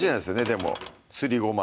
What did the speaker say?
でもすりごま